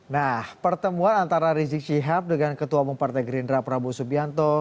nah pertemuan antara rizik syihab dengan ketua umum partai gerindra prabowo subianto